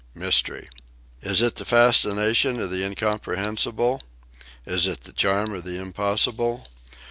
Mystery! Is it the fascination of the incomprehensible? is it the charm of the impossible?